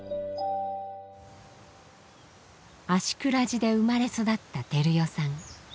芦峅寺で生まれ育った照代さん。